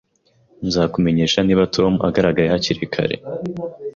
Nzakumenyesha niba Tom agaragaye hakiri kare